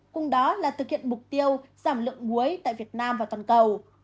cùng đó là thực hiện mục tiêu giảm lượng muối tại việt nam và toàn cầu